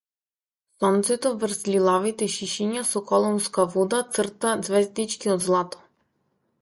Сонцето врз лилавите шишиња со колонска вода црта ѕвездички од злато.